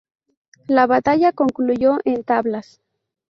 La batalla concluyó en tablas.